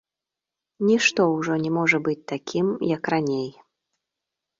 Нішто ўжо не можа быць такім, як раней.